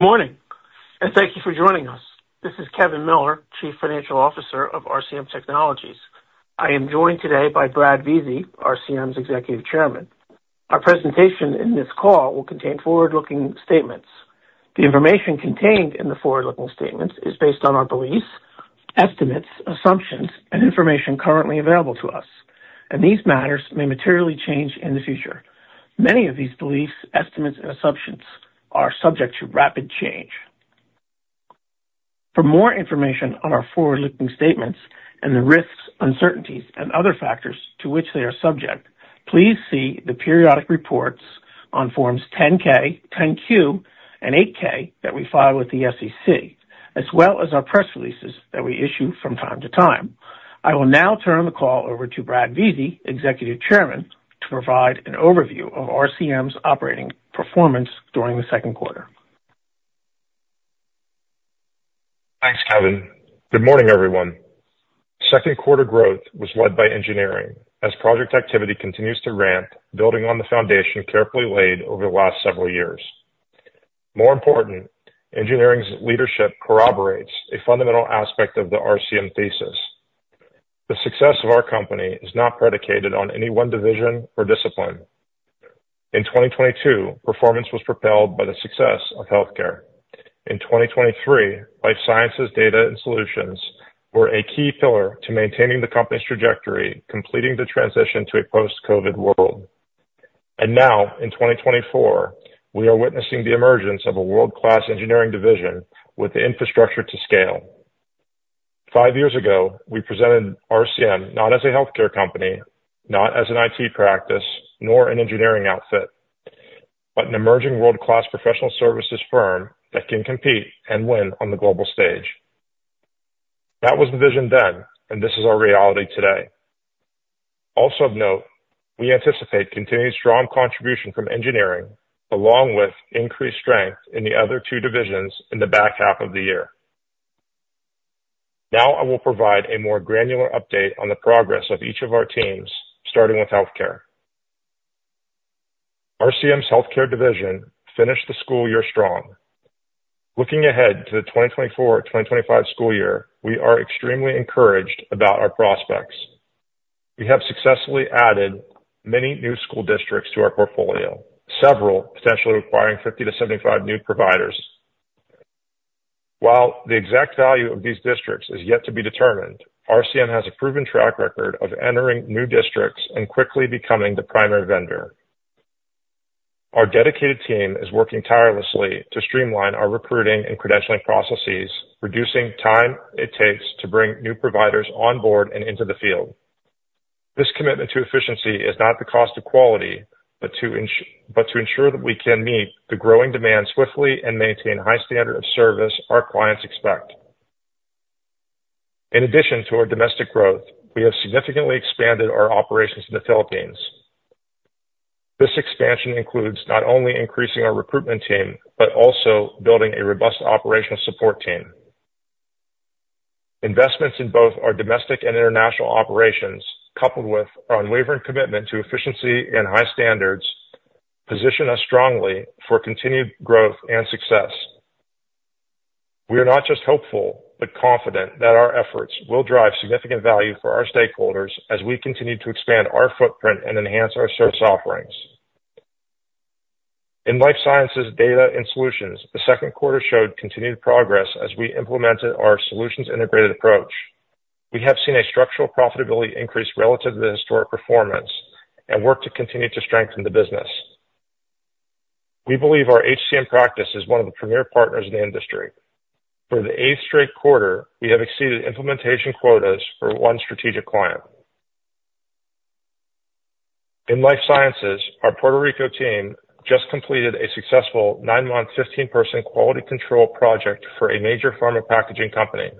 Morning, and thank you for joining us. This is Kevin Miller, Chief Financial Officer of RCM Technologies. I am joined today by Bradley Vizi, RCM's Executive Chairman. Our presentation in this call will contain forward-looking statements. The information contained in the forward-looking statements is based on our beliefs, estimates, assumptions, and information currently available to us, and these matters may materially change in the future. Many of these beliefs, estimates, and assumptions are subject to rapid change. For more information on our forward-looking statements and the risks, uncertainties, and other factors to which they are subject, please see the periodic reports on Forms 10-K, 10-Q, and 8-K that we file with the SEC, as well as our press releases that we issue from time to time. I will now turn the call over to Bradley Vizi, Executive Chairman, to provide an overview of RCM's operating performance during the second quarter. Thanks, Kevin. Good morning, everyone. Second quarter growth was led by engineering, as project activity continues to ramp, building on the foundation carefully laid over the last several years. More important, engineering's leadership corroborates a fundamental aspect of the RCM thesis. The success of our company is not predicated on any one division or discipline. In 2022, performance was propelled by the success of healthcare. In 2023, life sciences data and solutions were a key pillar to maintaining the company's trajectory, completing the transition to a post-COVID world. And now, in 2024, we are witnessing the emergence of a world-class engineering division with the infrastructure to scale. Five years ago, we presented RCM not as a healthcare company, not as an IT practice, nor an engineering outfit, but an emerging world-class professional services firm that can compete and win on the global stage. That was the vision then, and this is our reality today. Also of note, we anticipate continued strong contribution from engineering, along with increased strength in the other two divisions in the back half of the year. Now, I will provide a more granular update on the progress of each of our teams, starting with Healthcare. RCM's Healthcare division finished the school year strong. Looking ahead to the 2024-2025 school year, we are extremely encouraged about our prospects. We have successfully added many new school districts to our portfolio, several potentially requiring 50-75 new providers. While the exact value of these districts is yet to be determined, RCM has a proven track record of entering new districts and quickly becoming the primary vendor. Our dedicated team is working tirelessly to streamline our recruiting and credentialing processes, reducing time it takes to bring new providers on board and into the field. This commitment to efficiency is not the cost of quality, but to ensure that we can meet the growing demand swiftly and maintain a high standard of service our clients expect. In addition to our domestic growth, we have significantly expanded our operations in the Philippines. This expansion includes not only increasing our recruitment team, but also building a robust operational support team. Investments in both our domestic and international operations, coupled with our unwavering commitment to efficiency and high standards, position us strongly for continued growth and success. We are not just hopeful, but confident that our efforts will drive significant value for our stakeholders as we continue to expand our footprint and enhance our service offerings. In Life Sciences, Data and Solutions, the second quarter showed continued progress as we implemented our solutions integrated approach. We have seen a structural profitability increase relative to the historic performance and work to continue to strengthen the business. We believe our HCM practice is one of the premier partners in the industry. For the eighth straight quarter, we have exceeded implementation quotas for one strategic client. In Life Sciences, our Puerto Rico team just completed a successful 9-month, 15-person quality control project for a major pharma packaging company.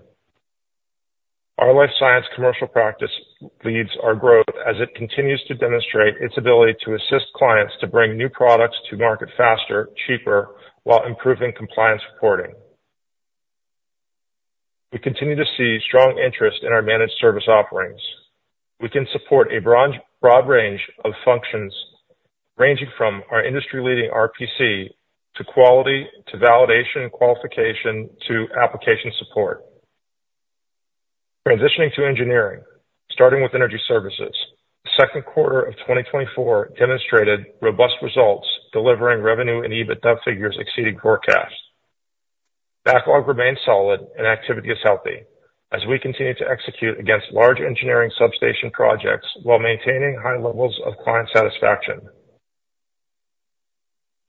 Our Life Sciences commercial practice leads our growth as it continues to demonstrate its ability to assist clients to bring new products to market faster, cheaper, while improving compliance reporting. We continue to see strong interest in our managed service offerings. We can support a broad, broad range of functions, ranging from our industry-leading RPC to quality, to validation and qualification, to application support. Transitioning to engineering, starting with Energy Services. Second quarter of 2024 demonstrated robust results, delivering revenue and EBITDA figures exceeding forecasts. Backlog remains solid and activity is healthy as we continue to execute against large engineering substation projects while maintaining high levels of client satisfaction.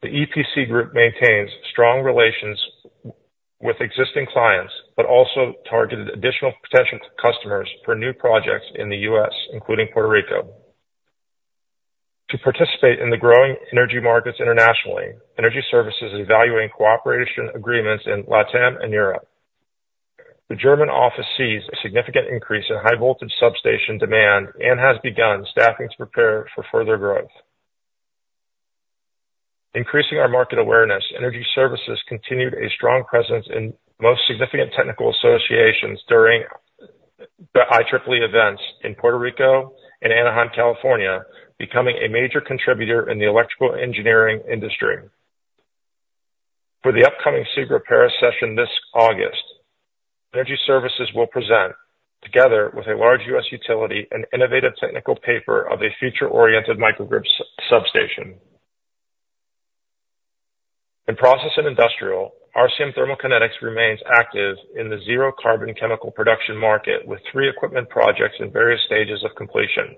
The EPC group maintains strong relations with existing clients, but also targeted additional potential customers for new projects in the U.S., including Puerto Rico. To participate in the growing energy markets internationally, Energy Services is evaluating cooperation agreements in LATAM and Europe. The German office sees a significant increase in high voltage substation demand and has begun staffing to prepare for further growth. Increasing our market awareness, Energy Services continued a strong presence in most significant technical associations during-... The IEEE events in Puerto Rico and Anaheim, California, becoming a major contributor in the electrical engineering industry. For the upcoming CIGRE Paris session this August, Energy Services will present, together with a large U.S. utility, an innovative technical paper on a future-oriented microgrid substation. In Process & Industrial, RCM Thermal Kinetics remains active in the zero carbon chemical production market, with three equipment projects in various stages of completion.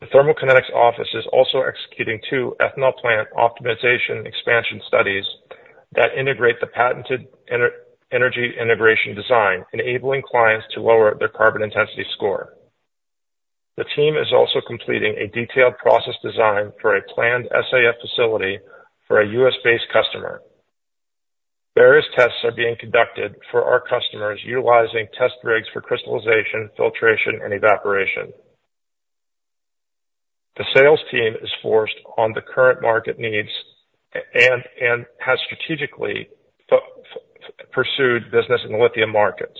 The Thermal Kinetics office is also executing two ethanol plant optimization expansion studies that integrate the patented energy integration design, enabling clients to lower their carbon intensity score. The team is also completing a detailed process design for a planned SAF facility for a U.S.-based customer. Various tests are being conducted for our customers, utilizing test rigs for crystallization, filtration, and evaporation. The sales team is focused on the current market needs and has strategically pursued business in the lithium markets.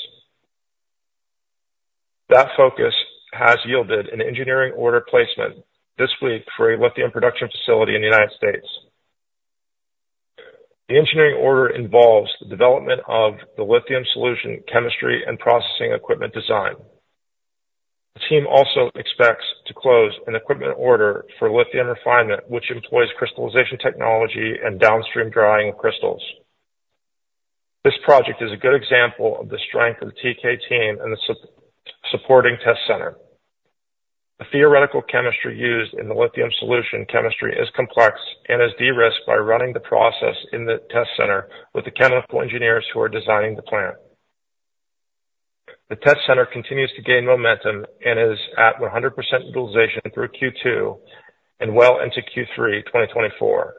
That focus has yielded an engineering order placement this week for a lithium production facility in the United States. The engineering order involves the development of the lithium solution, chemistry, and processing equipment design. The team also expects to close an equipment order for lithium refinement, which employs crystallization technology and downstream drying of crystals. This project is a good example of the strength of the TK team and the supporting test center. The theoretical chemistry used in the lithium solution chemistry is complex and is de-risked by running the process in the test center with the chemical engineers who are designing the plant. The test center continues to gain momentum and is at 100% utilization through Q2 and well into Q3 2024.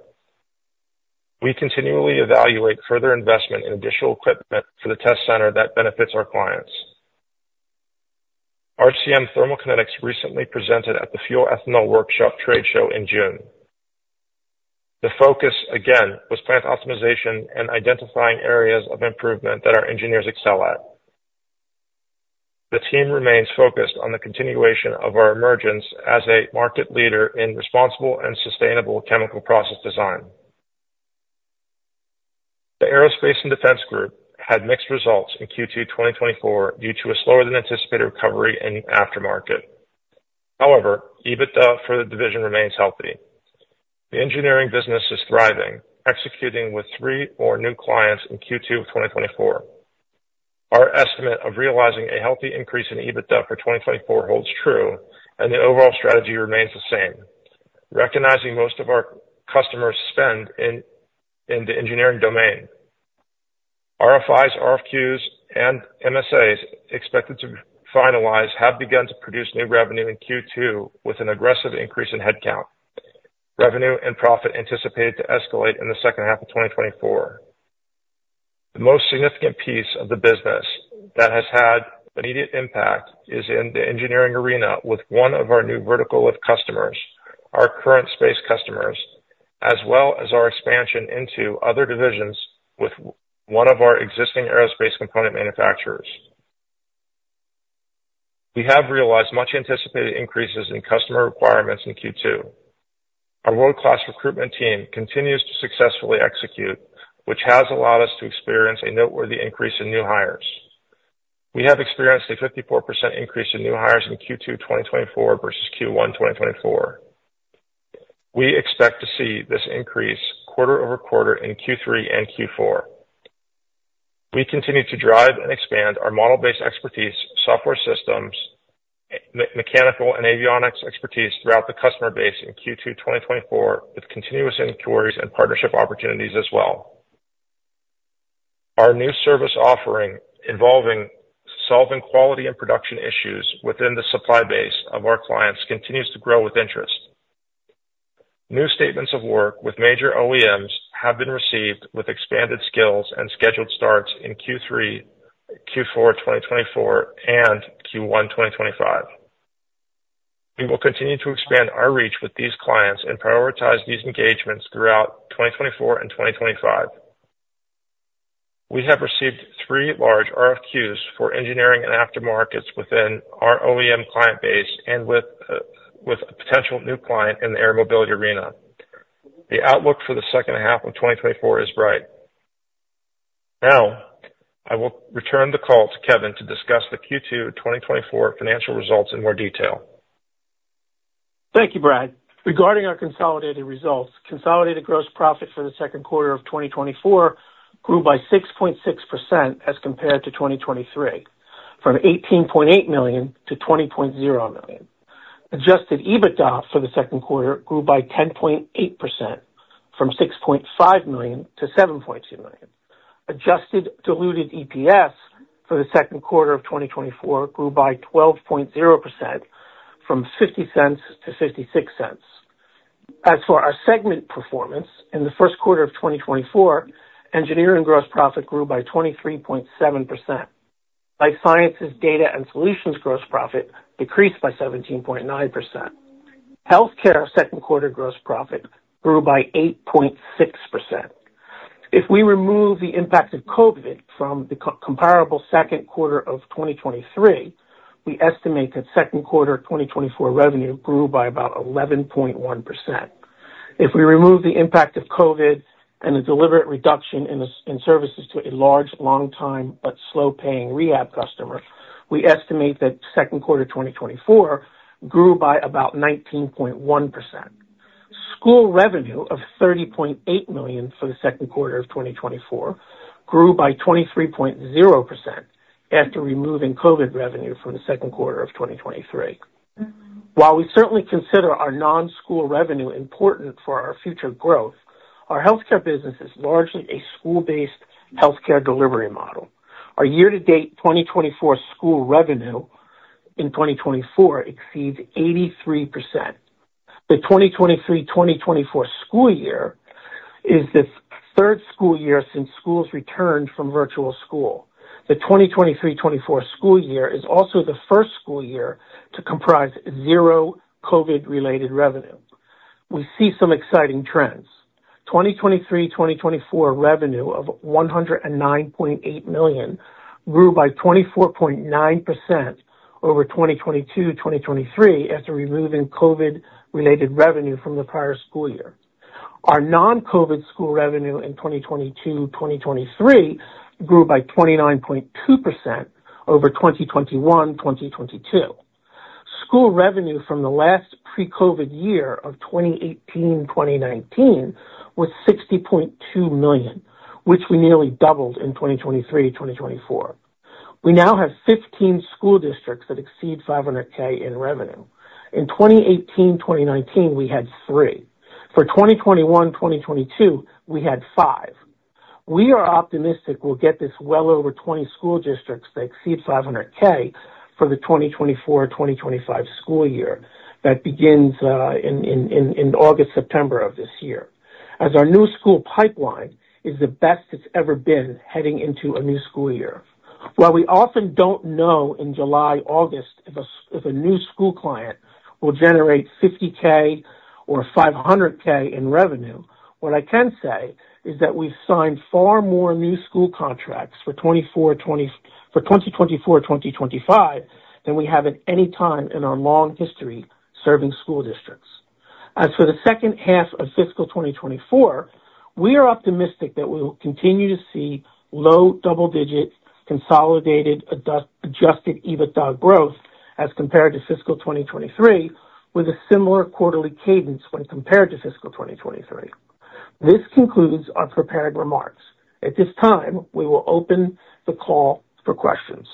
We continually evaluate further investment in additional equipment for the test center that benefits our clients. RCM Thermal Kinetics recently presented at the Fuel Ethanol Workshop Trade Show in June. The focus, again, was plant optimization and identifying areas of improvement that our engineers excel at. The team remains focused on the continuation of our emergence as a market leader in responsible and sustainable chemical process design. The Aerospace and Defense Group had mixed results in Q2 2024, due to a slower than anticipated recovery in the aftermarket. However, EBITDA for the division remains healthy. The engineering business is thriving, executing with three more new clients in Q2 of 2024. Our estimate of realizing a healthy increase in EBITDA for 2024 holds true, and the overall strategy remains the same, recognizing most of our customers spend in the engineering domain. RFIs, RFQs, and MSAs expected to finalize have begun to produce new revenue in Q2 with an aggressive increase in headcount. Revenue and profit anticipated to escalate in the second half of 2024. The most significant piece of the business that has had immediate impact is in the engineering arena, with one of our new vertical with customers, our current space customers, as well as our expansion into other divisions with one of our existing aerospace component manufacturers. We have realized much anticipated increases in customer requirements in Q2. Our world-class recruitment team continues to successfully execute, which has allowed us to experience a noteworthy increase in new hires. We have experienced a 54% increase in new hires in Q2 2024 versus Q1 2024. We expect to see this increase quarter-over-quarter in Q3 and Q4. We continue to drive and expand our model-based expertise, software systems, mechanical and avionics expertise throughout the customer base in Q2 2024, with continuous inquiries and partnership opportunities as well. Our new service offering, involving solving quality and production issues within the supply base of our clients, continues to grow with interest. New statements of work with major OEMs have been received with expanded skills and scheduled starts in Q3, Q4 2024, and Q1 2025. We will continue to expand our reach with these clients and prioritize these engagements throughout 2024 and 2025. We have received 3 large RFQs for engineering and aftermarkets within our OEM client base, and with a potential new client in the air mobility arena. The outlook for the second half of 2024 is bright. Now, I will return the call to Kevin to discuss the Q2 2024 financial results in more detail. Thank you, Brad. Regarding our consolidated results, consolidated gross profit for the second quarter of 2024 grew by 6.6% as compared to 2023, from $18.8 million-$20.0 million. Adjusted EBITDA for the second quarter grew by 10.8% from $6.5 million-$7.2 million. Adjusted diluted EPS for the second quarter of 2024 grew by 12.0% from $0.50-$0.56. As for our segment performance, in the first quarter of 2024, engineering gross profit grew by 23.7%. Life Sciences Data and Solutions gross profit decreased by 17.9%. Healthcare second quarter gross profit grew by 8.6%. If we remove the impact of COVID from the comparable second quarter of 2023, we estimate that second quarter 2024 revenue grew by about 11.1%. If we remove the impact of COVID and the deliberate reduction in services to a large, long time, but slow paying rehab customer, we estimate that second quarter 2024 grew by about 19.1%. School revenue of $30.8 million for the second quarter of 2024 grew by 23.0% after removing COVID revenue from the second quarter of 2023. While we certainly consider our non-school revenue important for our future growth, our healthcare business is largely a school-based healthcare delivery model. Our year-to-date 2024 school revenue in 2024 exceeds 83%. The 2023-2024 school year is the third school year since schools returned from virtual school. The 2023-2024 school year is also the first school year to comprise zero COVID-related revenue. We see some exciting trends. 2023-2024 revenue of $109.8 million grew by 24.9% over 2022-2023, after removing COVID-related revenue from the prior school year. Our non-COVID school revenue in 2022-2023 grew by 29.2% over 2021-2022. School revenue from the last pre-COVID year of 2018-2019 was $60.2 million, which we nearly doubled in 2023-2024. We now have 15 school districts that exceed $500K in revenue. In 2018-2019, we had three. For 2021-2022, we had five. We are optimistic we'll get this well over 20 school districts that exceed $500K for the 2024/2025 school year that begins in August, September of this year, as our new school pipeline is the best it's ever been heading into a new school year. While we often don't know in July, August, if a new school client will generate $50K or $500K in revenue, what I can say is that we've signed far more new school contracts for 2024/2025 than we have at any time in our long history serving school districts. As for the second half of fiscal 2024, we are optimistic that we will continue to see low double-digit consolidated adjusted EBITDA growth as compared to fiscal 2023, with a similar quarterly cadence when compared to fiscal 2023. This concludes our prepared remarks. At this time, we will open the call for questions.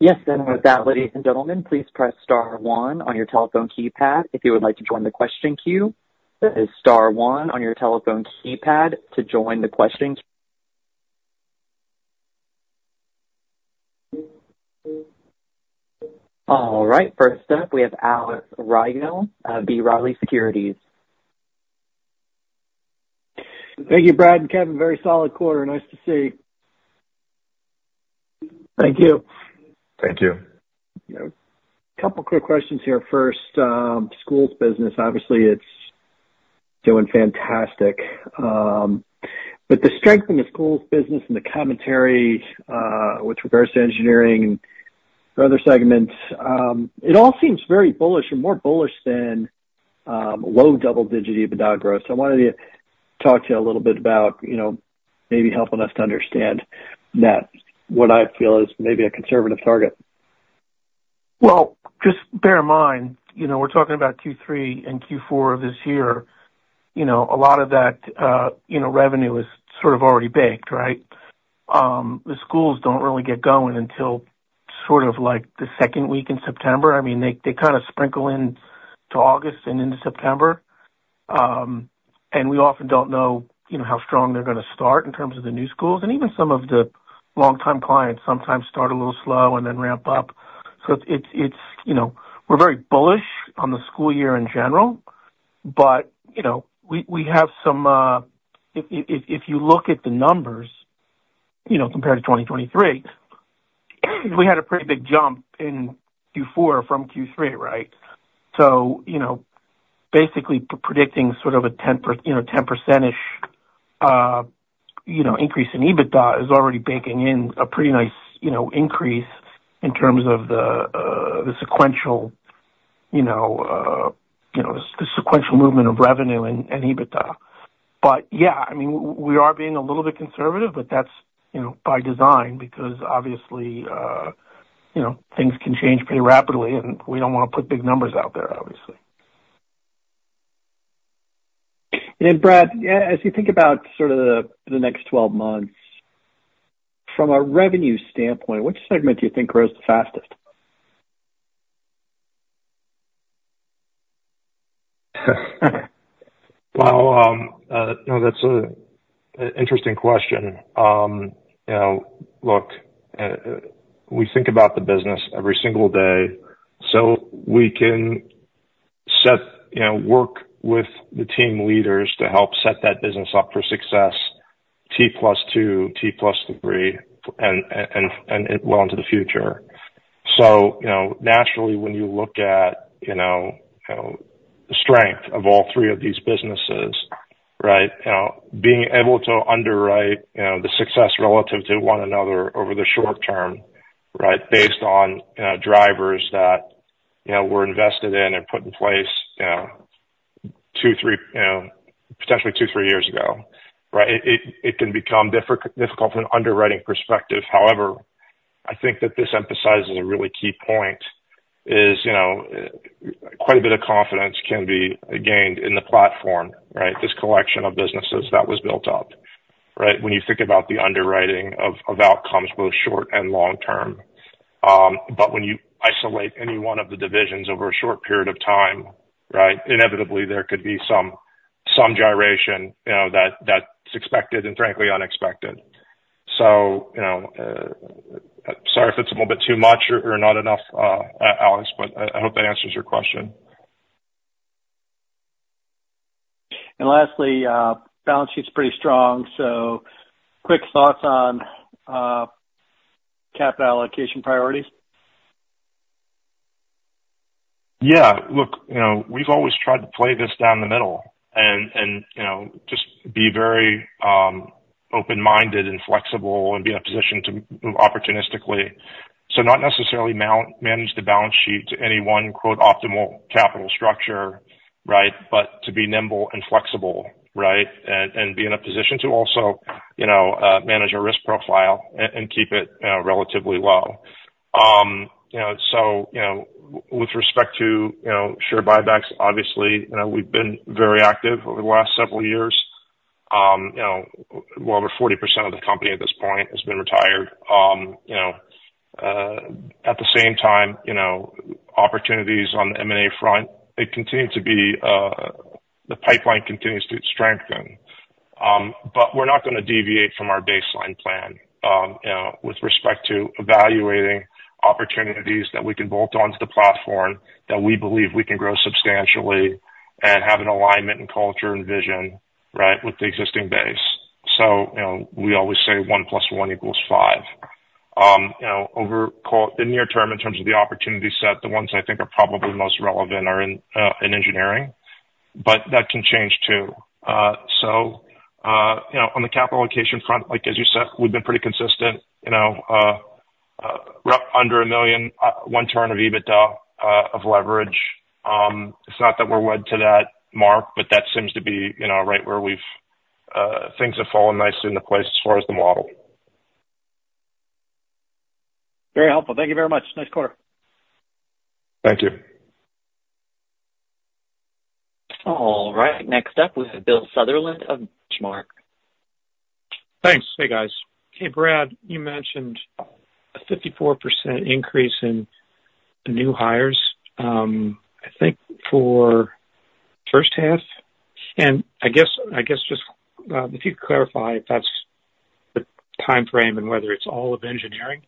Yes, and with that, ladies and gentlemen, please press star one on your telephone keypad if you would like to join the question queue. That is star one on your telephone keypad to join the question queue. All right, first up, we have Alex Rygiel, B. Riley Securities. Thank you, Brad and Kevin. Very solid quarter. Nice to see. Thank you. Thank you. Yeah. Couple quick questions here. First, schools business, obviously, it's doing fantastic. But the strength in the schools business and the commentary, with regards to engineering and other segments, it all seems very bullish and more bullish than, low double digit EBITDA growth. So I wanted to talk to you a little bit about, you know, maybe helping us to understand that, what I feel is maybe a conservative target. Well, just bear in mind, you know, we're talking about Q3 and Q4 of this year. You know, a lot of that, you know, revenue is sort of already baked, right? The schools don't really get going until sort of like, the second week in September. I mean, they, they kind of sprinkle in to August and into September. And we often don't know, you know, how strong they're gonna start in terms of the new schools, and even some of the longtime clients sometimes start a little slow and then ramp up. So it's, it's, you know, we're very bullish on the school year in general, but, you know, we, we have some... If, if, if you look at the numbers, you know, compared to 2023, we had a pretty big jump in Q4 from Q3, right? So, you know, basically predicting sort of a 10%-ish, you know, increase in EBITDA is already baking in a pretty nice, you know, increase in terms of the, the sequential, you know, the sequential movement of revenue and, and EBITDA. But yeah, I mean, we are being a little bit conservative, but that's, you know, by design, because obviously, you know, things can change pretty rapidly, and we don't wanna put big numbers out there, obviously. Brad, as you think about sort of the next 12 months, from a revenue standpoint, which segment do you think grows the fastest? Well, no, that's an interesting question. You know, look, we think about the business every single day, so we can set, you know, work with the team leaders to help set that business up for success. T+2, T+3, and well into the future. So, you know, naturally, when you look at, you know, the strength of all three of these businesses, right? You know, being able to underwrite, you know, the success relative to one another over the short term, right? Based on, drivers that, you know, were invested in and put in place, you know, two, three, you know, potentially two, three years ago, right? It can become difficult from an underwriting perspective. However, I think that this emphasizes a really key point, you know, quite a bit of confidence can be gained in the platform, right? This collection of businesses that was built up, right? When you think about the underwriting of outcomes, both short and long term. But when you isolate any one of the divisions over a short period of time, right, inevitably there could be some gyration, you know, that that's expected and frankly unexpected. So, you know, sorry if it's a little bit too much or not enough, Alex, but I hope that answers your question. And lastly, balance sheet's pretty strong, so quick thoughts on capital allocation priorities. Yeah, look, you know, we've always tried to play this down the middle and, you know, just be very open-minded and flexible and be in a position to move opportunistically. So not necessarily manage the balance sheet to any one quote, optimal capital structure, right? But to be nimble and flexible, right? And be in a position to also, you know, manage our risk profile and keep it relatively low. You know, so, you know, with respect to, you know, share buybacks, obviously, you know, we've been very active over the last several years. You know, well over 40% of the company at this point has been retired. You know, at the same time, you know, opportunities on the M&A front, they continue to be the pipeline continues to strengthen. But we're not gonna deviate from our baseline plan, you know, with respect to evaluating opportunities that we can bolt onto the platform, that we believe we can grow substantially and have an alignment in culture and vision, right, with the existing base. So, you know, we always say one plus one equals five. You know, over, quote, the near term, in terms of the opportunity set, the ones I think are probably most relevant are in engineering, but that can change, too. So, you know, on the capital allocation front, like as you said, we've been pretty consistent, you know, rough under a million, one turn of EBITDA, of leverage. It's not that we're led to that mark, but that seems to be, you know, right where we've things have fallen nicely into place as far as the model. Very helpful. Thank you very much. Nice quarter. Thank you. All right, next up, we have Bill Sutherland of Benchmark. Thanks. Hey, guys. Hey, Brad, you mentioned a 54% increase in new hires, I think for first half, and I guess, I guess just if you could clarify if that's the timeframe and whether it's all of engineering?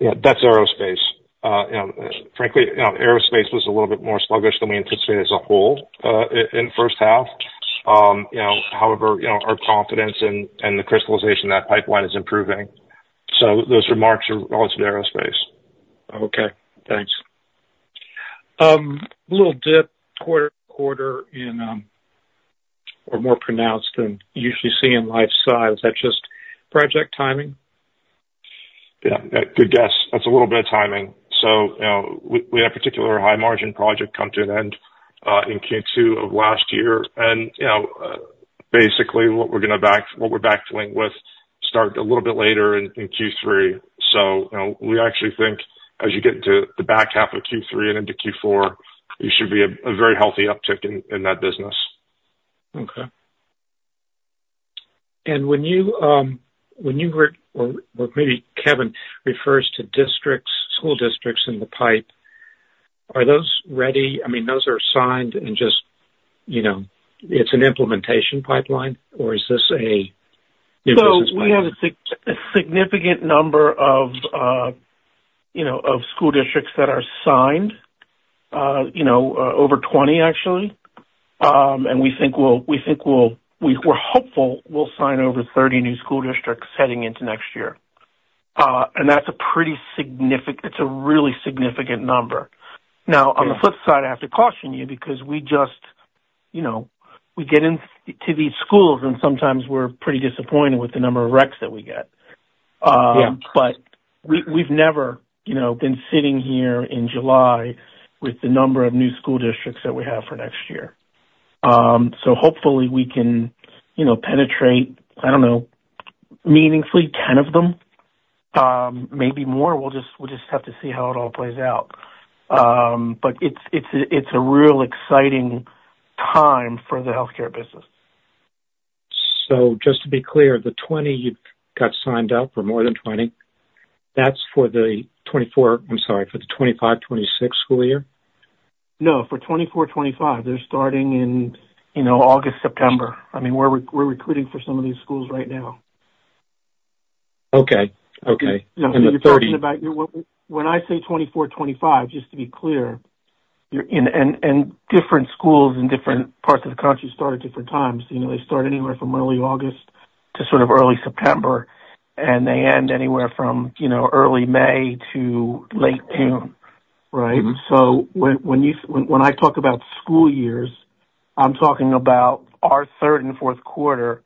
Yeah, that's aerospace. You know, frankly, you know, aerospace was a little bit more sluggish than we anticipated as a whole, in first half. You know, however, you know, our confidence in the crystallization of that pipeline is improving. So those remarks are relative to aerospace. Okay, thanks. Little dip quarter-over-quarter in, or more pronounced than you usually see in Life Sciences. Is that just project timing? Yeah, good guess. That's a little bit of timing. So, you know, we had a particular high margin project come to an end in Q2 of last year. And, you know, basically what we're backfilling with started a little bit later in Q3. So, you know, we actually think as you get into the back half of Q3 and into Q4, you should see a very healthy uptick in that business. Okay. And when you hear, or maybe Kevin refers to districts, school districts in the pipe, are those ready? I mean, those are signed and just, you know, it's an implementation pipeline or is this a new business plan? So we have a significant number of, you know, of school districts that are signed, you know, over 20 actually. And we think we'll, we're hopeful we'll sign over 30 new school districts heading into next year. And that's a pretty significant... It's a really significant number. Okay. Now, on the flip side, I have to caution you because we just, you know, we get into these schools, and sometimes we're pretty disappointed with the number of recs that we get. Yeah. But we, we've never, you know, been sitting here in July with the number of new school districts that we have for next year. So hopefully we can, you know, penetrate, I don't know, meaningfully 10 of them, maybe more. We'll just, we'll just have to see how it all plays out. But it's, it's a, it's a real exciting time for the healthcare business. Just to be clear, the 20 you've got signed up, or more than 20, that's for the 2024... I'm sorry, for the 2025, 2026 school year? No, for 2024, 2025. They're starting in, you know, August, September. I mean, we're recruiting for some of these schools right now.... Okay. Okay. And the thirty- You're talking about, when I say 24, 25, just to be clear, you're in. And different schools in different parts of the country start at different times. You know, they start anywhere from early August to sort of early September, and they end anywhere from, you know, early May to late June, right? So when you, when I talk about school years, I'm talking about our third and fourth quarter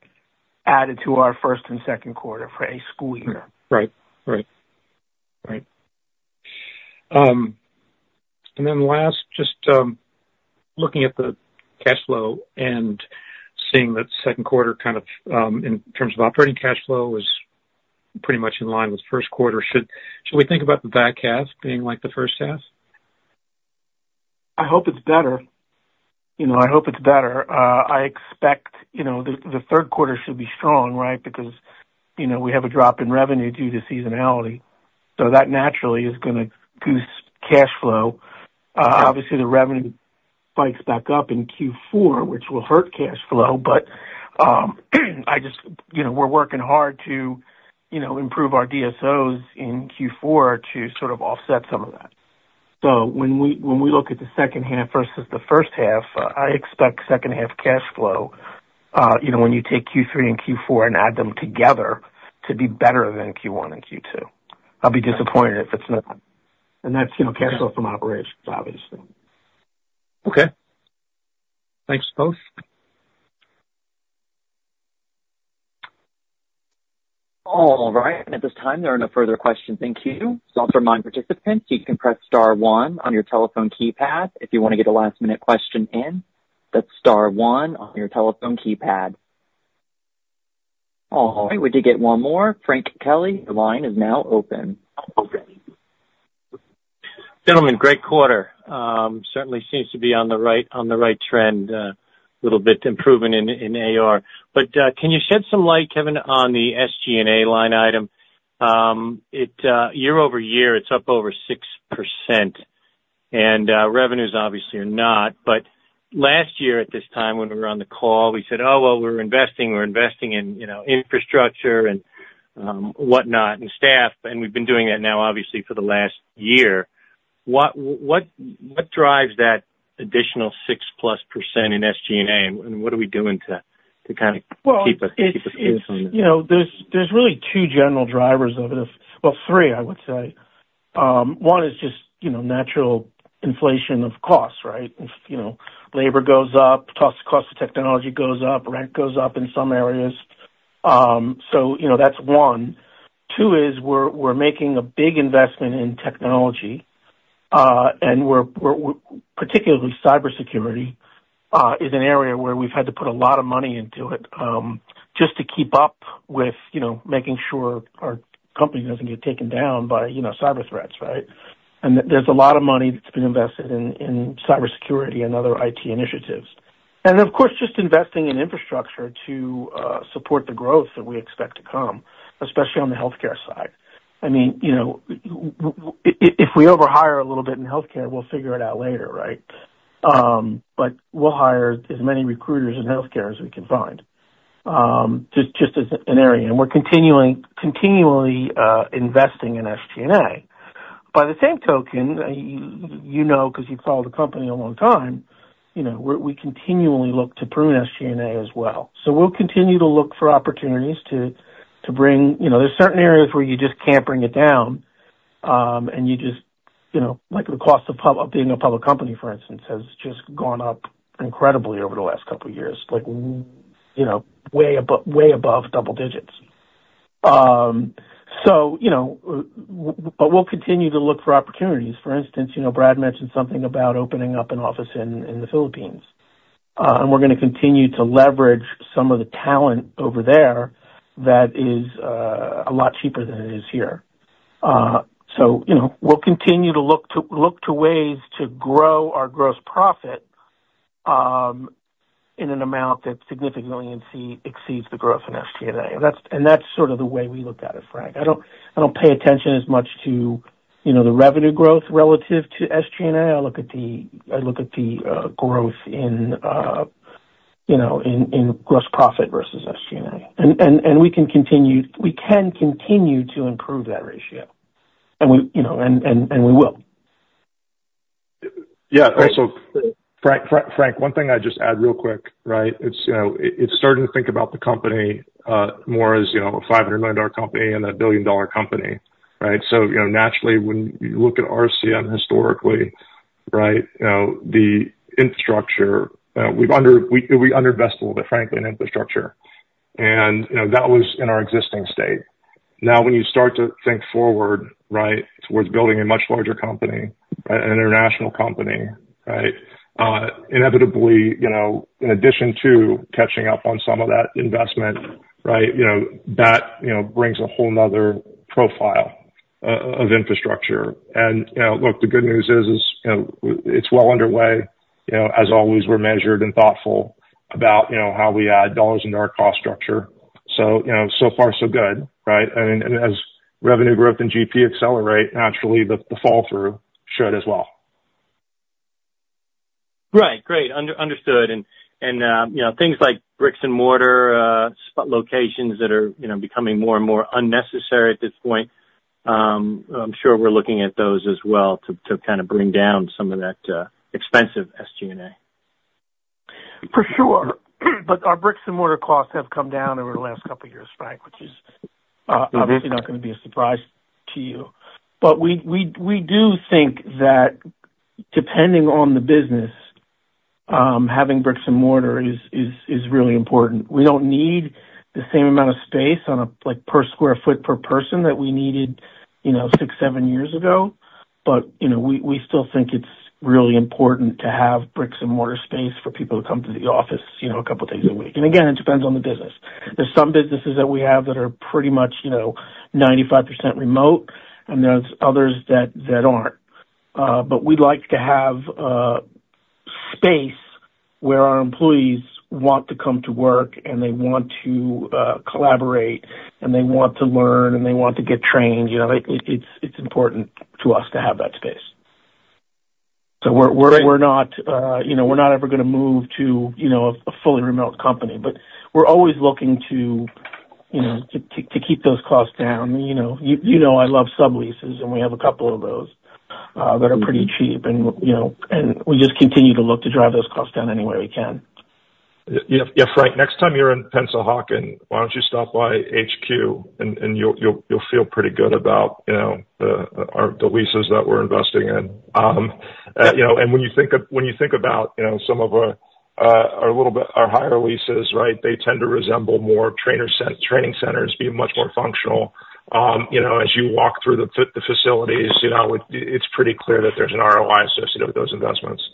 added to our first and second quarter for a school year. Right. Right. Right. And then last, just looking at the cash flow and seeing that second quarter kind of in terms of operating cash flow was pretty much in line with first quarter, should we think about the back half being like the first half? I hope it's better. You know, I hope it's better. I expect, you know, the third quarter should be strong, right? Because, you know, we have a drop in revenue due to seasonality, so that naturally is gonna boost cash flow. Obviously, the revenue spikes back up in Q4, which will hurt cash flow. But, I just, you know, we're working hard to, you know, improve our DSOs in Q4 to sort of offset some of that. So when we look at the second half versus the first half, I expect second half cash flow, you know, when you take Q3 and Q4 and add them together, to be better than Q1 and Q2. I'll be disappointed if it's not. And that's, you know, cash flow from operations, obviously. Okay. Thanks, both. All right. At this time, there are no further questions in queue. I'll remind participants, you can press star one on your telephone keypad if you want to get a last-minute question in. That's star one on your telephone keypad. All right, we did get one more. Frank Kelly, the line is now open. Gentlemen, great quarter. Certainly seems to be on the right, on the right trend. A little bit improvement in, in AR. But, can you shed some light, Kevin, on the SG&A line item? It, year-over-year, it's up over 6% and, revenues obviously are not. But last year, at this time, when we were on the call, we said, "Oh, well, we're investing, we're investing in, you know, infrastructure and, whatnot, and staff." And we've been doing that now, obviously, for the last year. What, what, what drives that additional 6%+ in SG&A, and what are we doing to, to kind of keep us, keep us focused on that? Well, it's, you know, there's really two general drivers of it. Well, three, I would say. One is just, you know, natural inflation of costs, right? If, you know, labor goes up, cost of technology goes up, rent goes up in some areas. So, you know, that's one. Two is we're making a big investment in technology, and particularly cybersecurity is an area where we've had to put a lot of money into it, just to keep up with, you know, making sure our company doesn't get taken down by, you know, cyber threats, right? And there's a lot of money that's been invested in cybersecurity and other IT initiatives. And of course, just investing in infrastructure to support the growth that we expect to come, especially on the healthcare side. I mean, you know, if we overhire a little bit in healthcare, we'll figure it out later, right? But we'll hire as many recruiters in healthcare as we can find, just as an area, and we're continuing, continually investing in SG&A. By the same token, you know, because you've followed the company a long time, you know, we continually look to prune SG&A as well. So we'll continue to look for opportunities to bring... You know, there's certain areas where you just can't bring it down, and you just, you know, like the cost of public being a public company, for instance, has just gone up incredibly over the last couple of years, like, you know, way above, way above double digits. So, you know, but we'll continue to look for opportunities. For instance, you know, Brad mentioned something about opening up an office in the Philippines. And we're gonna continue to leverage some of the talent over there that is a lot cheaper than it is here. So, you know, we'll continue to look to ways to grow our gross profit in an amount that significantly exceeds the growth in SG&A. And that's sort of the way we look at it, Frank. I don't pay attention as much to, you know, the revenue growth relative to SG&A. I look at the growth in, you know, in gross profit versus SG&A. And we can continue to improve that ratio, and we, you know, and we will. Yeah. Also, Frank, Frank, Frank, one thing I'd just add real quick, right? It's, you know, it's starting to think about the company more as, you know, a $500 million company and a $1 billion company, right? So, you know, naturally, when you look at RCM historically, right, you know, the infrastructure, we've under-invested a little bit, frankly, in infrastructure. And, you know, that was in our existing state. Now, when you start to think forward, right, towards building a much larger company, an international company, right, inevitably, you know, in addition to catching up on some of that investment, right, you know, that brings a whole another profile of infrastructure. And, you know, look, the good news is, you know, it's well underway. You know, as always, we're measured and thoughtful about, you know, how we add dollars into our cost structure. So, you know, so far, so good, right? And as revenue growth and GP accelerate, naturally, the fall through should as well.... Right. Great, understood. And, you know, things like bricks and mortar spot locations that are, you know, becoming more and more unnecessary at this point. I'm sure we're looking at those as well to kind of bring down some of that expensive SG&A. For sure. But our bricks and mortar costs have come down over the last couple years, Frank, which is obviously not gonna be a surprise to you. But we do think that depending on the business, having bricks and mortar is really important. We don't need the same amount of space on a, like, per square foot per person that we needed, you know, 6, 7 years ago. But, you know, we still think it's really important to have bricks and mortar space for people to come to the office, you know, a couple days a week. And again, it depends on the business. There's some businesses that we have that are pretty much, you know, 95% remote, and there's others that aren't. But we'd like to have space where our employees want to come to work, and they want to collaborate, and they want to learn, and they want to get trained. You know, it's important to us to have that space. So we're- Great. We're not, you know, we're not ever gonna move to, you know, a fully remote company, but we're always looking to, you know, to keep those costs down. You know, I love subleases, and we have a couple of those, that are pretty cheap and, you know, and we just continue to look to drive those costs down any way we can. Yeah, yeah, Frank, next time you're in Pennsauken, why don't you stop by HQ and you'll feel pretty good about, you know, the leases that we're investing in? You know, and when you think about, you know, some of our higher leases, right, they tend to resemble more training centers, being much more functional. You know, as you walk through the facilities, you know, it's pretty clear that there's an ROI associated with those investments.